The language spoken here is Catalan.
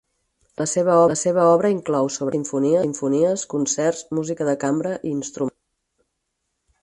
La seva obra inclou, sobretot, simfonies, concerts, música de cambra i instrumental.